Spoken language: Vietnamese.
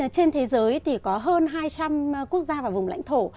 trên thế giới thì có hơn hai trăm linh quốc gia và vùng lãnh thổ